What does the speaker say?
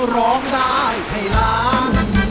ร้องได้ให้ล้าน